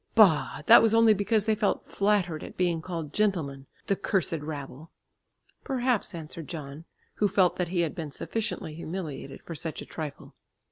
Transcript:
"Bah! That was only because they felt flattered at being called gentlemen, the cursed rabble!" "Perhaps," answered John, who felt that he had been sufficiently humiliated for such a trifle.